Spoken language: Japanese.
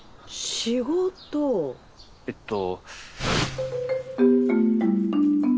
えっと。